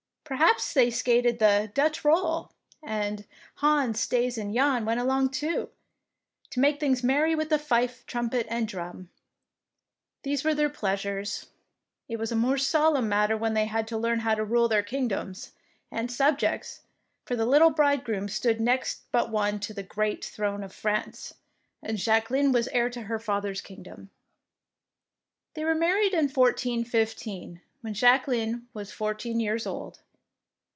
Perhaps they skated the "Dutch Koll,'^ and Hans, Staes, and Jan went along too, to make things merry with the fife, trumpet, and drum. These were their pleasures. It was a more solemn matter when they had to learn how to rule their kingdoms and subjects, for the little bridegroom stood next but one to the great throne of 59 DEEDS OF DAEING France, and Jacqueline was heir to her father's kingdom. They were married in 1415, when Jacqueline was fourteen years old.